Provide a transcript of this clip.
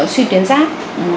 suy tuyến giáp